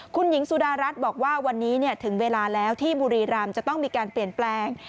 คุณหญิงสุดารัฐบอกว่าวันนี้ถึงเวลาแล้วที่บุรีรำจะต้องมีการเปลี่ยนแปลง